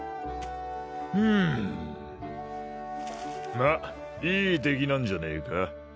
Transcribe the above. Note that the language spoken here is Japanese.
うんまあいい出来なんじゃねえか？